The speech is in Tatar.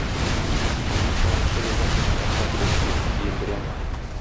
Мин сиңа ничә елдан бирле акча түләп киләм, киендерәм.